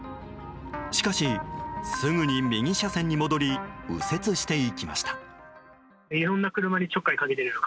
しかし、すぐに右車線に戻り右折していきました。